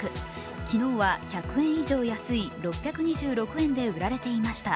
昨日は１００円以上安い６２６円で売られていました